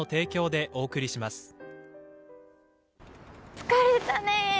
疲れたね。